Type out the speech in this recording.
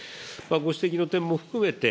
ご指摘の点も含めて、